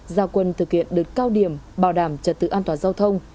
gia quân thực hiện đợt cao điểm bảo đảm trật tự an toàn giao thông